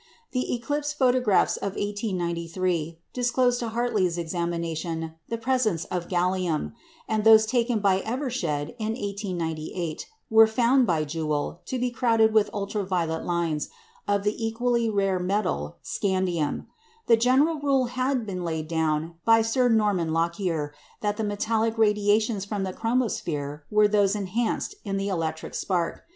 The eclipse photographs of 1893 disclosed to Hartley's examination the presence there of gallium; and those taken by Evershed in 1898 were found by Jewell to be crowded with ultra violet lines of the equally rare metal scandium. The general rule had been laid down by Sir Norman Lockyer that the metallic radiations from the chromosphere are those "enhanced" in the electric spark.